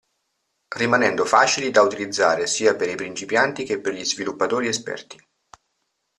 Rimanendo facili da utilizzare sia per i principianti che per gli sviluppatori esperti.